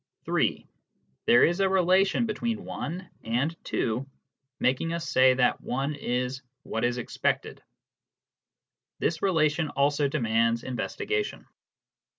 (3) There is a relation between (1) and (2), making us say that (1) is " what is expected." This relation also demands investigation.